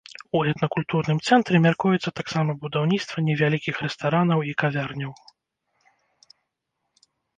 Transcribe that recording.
У этнакультурным цэнтры мяркуецца таксама будаўніцтва невялікіх рэстаранаў і кавярняў.